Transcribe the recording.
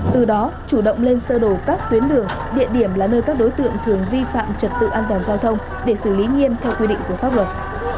từ đó chủ động lên sơ đổ các tuyến đường địa điểm là nơi các đối tượng thường vi phạm trật tự an toàn giao thông để xử lý nghiêm theo quy định của pháp luật